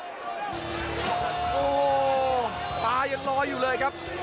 โอ้โหตายังลอยอยู่เลยครับ